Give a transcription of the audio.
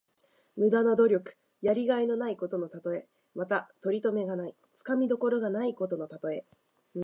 無駄な努力。やりがいのないことのたとえ。また、とりとめがない、つかみどころがないことのたとえ。